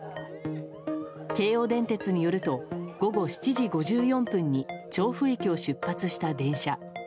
京王電鉄によると午後７時５４分に調布駅を出発した電車。